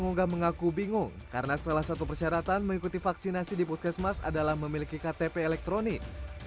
mungga mengaku bingung karena salah satu persyaratan mengikuti vaksinasi di puskesmas adalah memiliki ktp elektronik